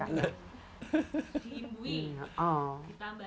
kami analisa kori kori sejarah